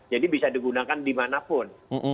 jadi bisa digunakan dimanapun